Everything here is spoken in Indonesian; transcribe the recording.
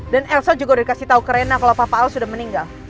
dan elsa juga udah kasih tahu ke rena kalau papa alis udah meninggal